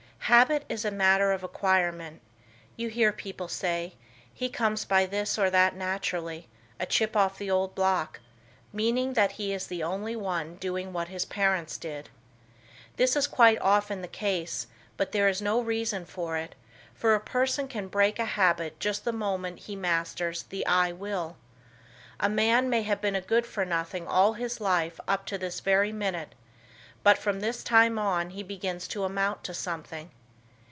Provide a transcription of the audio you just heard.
Habit is a matter of acquirement. You hear people say: "He comes by this or that naturally, a chip off the old block," meaning that he is only doing what his parents did. This is quite often the case, but there is no reason for it, for a person can break a habit just the moment he masters the "I will." A man may have been a "good for nothing" all his life up to this very minute, but from this time on he begins to amount to something.